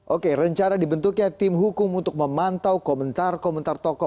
oke rencana dibentuknya tim hukum untuk memantau komentar komentar tokoh